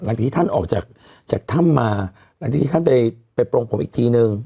ที่ท่านออกจากจากถ้ำมาหลังจากที่ท่านไปโปรงผมอีกทีนึง